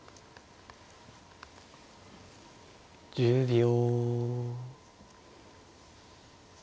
１０秒。